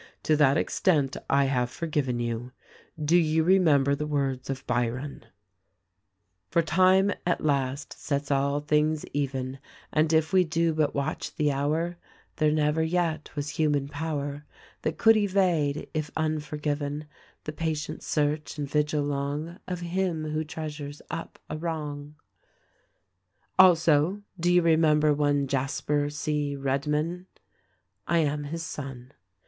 To that extent I have forgiven you. "Do you remember the words of Byron : 'For time at last sets all things even — And if we do but watch the hour, There never yet was human power That could evade, if unforgiven, The patient search and vigil long Of him who treasures up a wrong?' THE RECORDING ANGEL 261 "Also ; do you remember one Jasper C. Redmond ? "I am his son.